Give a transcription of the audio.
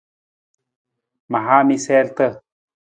Ma haa mi siirta.